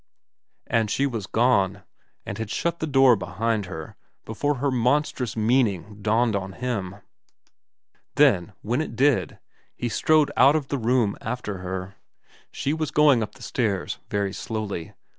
And she was gone, and had shut the door behind her before her monstrous meaning dawned on him. Then, when it did, he strode out of the room after her. She was going up the stairs very slowly.